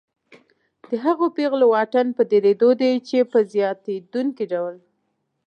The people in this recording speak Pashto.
د هغو پیغلو واټن په ډېرېدو دی چې په زیاتېدونکي ډول